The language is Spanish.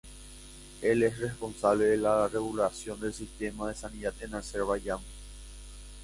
El es responsable de la regulación del sistema de sanidad en Azerbaiyán.